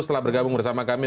setelah bergabung bersama kami